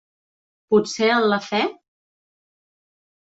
¿Potser en la fe?